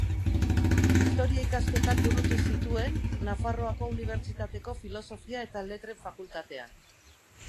Historia ikasketak burutu zituen Nafarroako Unibertsitateko Filosofia eta Letren Fakultatean.